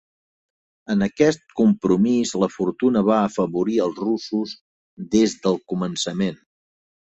En aquest compromís, la fortuna va afavorir els russos des del començament.